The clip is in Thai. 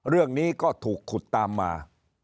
เรื่องนี้ก็ถูกขุดตามมา